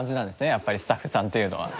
やっぱりスタッフさんっていうのは。